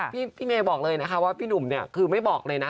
พี่เมย์บอกเลยนะคะว่าพี่หนุ่มเนี่ยคือไม่บอกเลยนะ